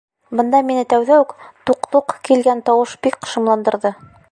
Бында мине тәүҙә үк «туҡ-туҡ» килгән тауыш бик шомландырҙы.